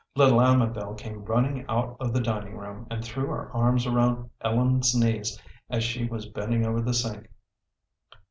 Little Amabel came running out of the dining room, and threw her arms around Ellen's knees as she was bending over the sink.